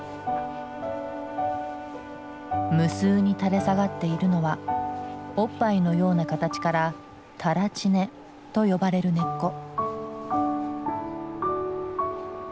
無数に垂れ下がっているのはおっぱいのような形から垂乳根と呼ばれる根っこ。